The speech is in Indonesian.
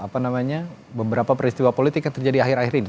apa namanya beberapa peristiwa politik yang terjadi akhir akhir ini